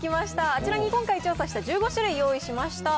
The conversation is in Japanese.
あちらに今回調査した１５種類、用意しました。